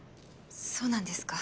そうなんですか。